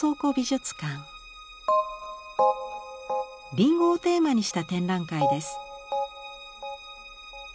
「りんご」をテーマにした展覧会です。